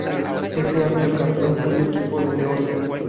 Ese año el campeón fue el equipo de León.